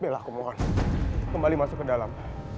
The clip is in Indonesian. bella aku mohon kembali masuk ke dalam